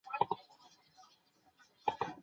境内的建筑还包括布阿集团的炼油厂等。